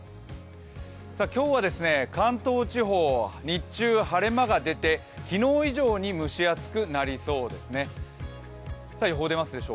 今日は関東地方、日中、晴れ間が出て昨日以上に蒸し暑くなりそうですね。